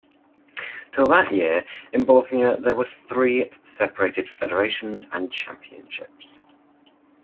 Till that year, in Bosnia there were three separated federations and championships.